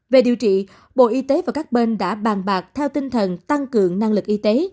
về điều trị bộ y tế và các bên đã bàn bạc theo tinh thần tăng cường năng lực y tế